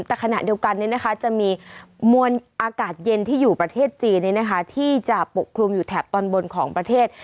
แต่ขณะเดียวกันจะมีมวลอากาศเย็นที่อยู่ประเทศจีนที่จะปกคลุมอยู่แถบตอนบนของประเทศ